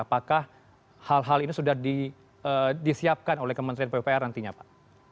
apakah hal hal ini sudah disiapkan oleh kementerian pupr nantinya pak